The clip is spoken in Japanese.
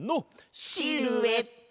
シルエット！